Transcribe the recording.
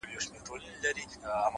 • دا خو ډيره گرانه ده؛